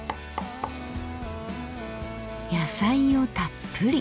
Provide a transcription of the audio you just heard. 野菜をたっぷり。